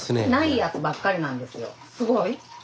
すごい？